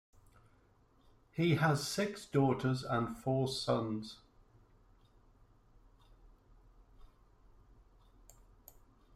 He has six daughters and four sons.